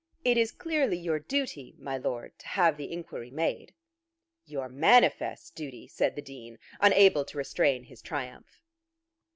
It is clearly your duty, my Lord, to have the inquiry made." "Your manifest duty," said the Dean, unable to restrain his triumph.